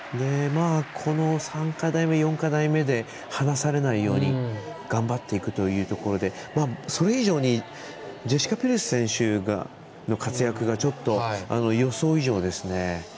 この３課題目、４課題目で話されないように頑張っていくということでそれ以上にジェシカ・ピルツ選手の活躍がちょっと、予想以上ですね。